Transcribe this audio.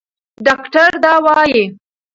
ډاکټره دا وايي.